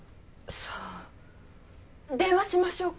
さあ電話しましょうか？